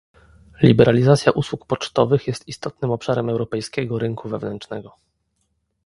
Liberalizacja usług pocztowych jest istotnym obszarem europejskiego rynku wewnętrznego